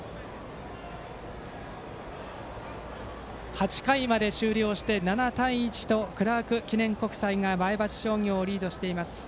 ８回まで終了して７対１とクラーク記念国際が前橋商業をリードしています。